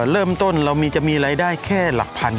เริ่มต้นเราจะมีรายได้แค่หลักพัน